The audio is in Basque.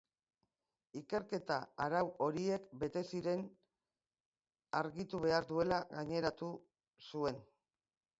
Ikerketak arau horiek bete ziren argitu behar duela gaineratu zuen.